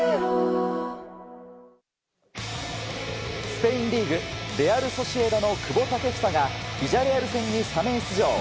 スペインリーグレアル・ソシエダの久保建英がビジャレアル戦にスタメン出場。